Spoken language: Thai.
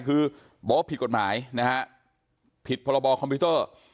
คือบอกว่าผิดกฎหมายนะฮะผิดพรบคอมพิวเตอร์